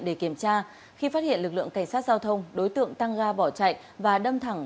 để kiểm tra khi phát hiện lực lượng cảnh sát giao thông đối tượng tăng ga bỏ chạy và đâm thẳng